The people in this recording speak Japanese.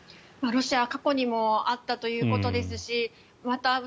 ロシアは過去にもあったということですしまた